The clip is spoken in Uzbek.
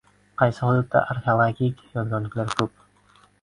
Qaysi hududda arxeologik yodgorliklar ko‘p?